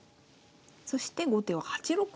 そして後手は８六歩と。